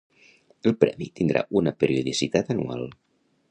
El Premi tindrà una periodicitat anual.